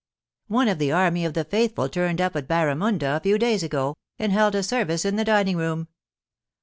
* One of the army of the faithful turned up at Barramunda a few days ago, and held a service in the dining room.